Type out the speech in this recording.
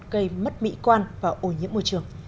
gây mất mỹ quan và ổ nhiễm môi trường